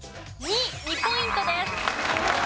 ２。２ポイントです。